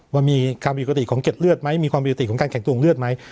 ว่ามีความผิดปกติของเกร็ดเลือดไหมมีความผิดปกติของการแข็งตัวของเลือดไหม